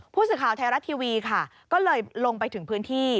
ผู้สื่อข่าวไทยรัฐทีวีค่ะก็เลยลงไปถึงพื้นที่